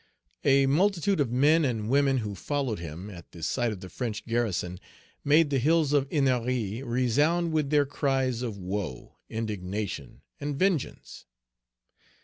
A multitude of men and women who followed him, at the sight of the French garrison, made the hills of Ennery resound with their cries of woe, indignation, and vengeance.